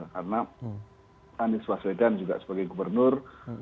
karena anies wasledan juga sebagai gubernur